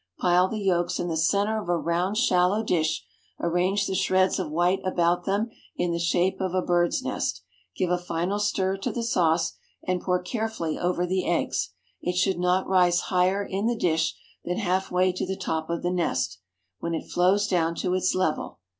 Pile the yolks in the centre of a round, shallow dish, arrange the shreds of white about them in the shape of a bird's nest; give a final stir to the sauce, and pour carefully over the eggs. It should not rise higher in the dish than half way to the top of the nest, when it flows down to its level.